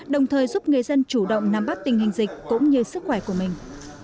đồng thời giúp người dân chủ động nắm bắt tình hình dịch cũng như sức khỏe của mình